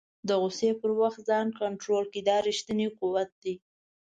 د غوسې پر وخت ځان کنټرول کړه، دا ریښتنی قوت دی.